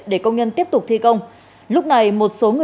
để công nhân tiếp tục thi công